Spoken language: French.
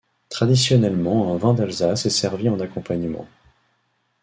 Traditionnellement un vin d'Alsace est servi en accompagnement.